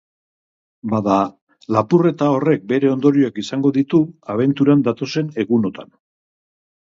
Bada, lapurreta horrek bere ondorioak izango ditu abenturan datozen egunotan.